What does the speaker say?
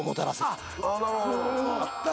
あっなるほど。